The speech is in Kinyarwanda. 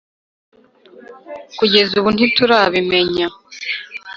kugeza ubu ntiturabimenya